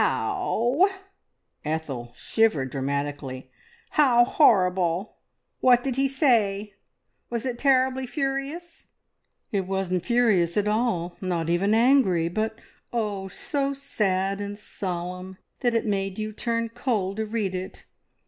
"Ow w ow!" Ethel shivered dramatically. "How horrible! What did he say? Was it terribly furious?" "It wasn't furious at all, not even angry; but oh, so sad and solemn that it made you turn cold to read it!